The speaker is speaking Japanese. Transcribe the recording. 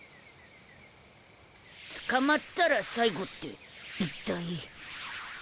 捕まったら最後っていったい。